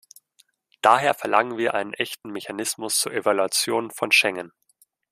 Daher verlangen wir einen echten Mechanismus zur Evaluation von Schengen.